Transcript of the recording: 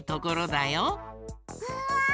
うわ！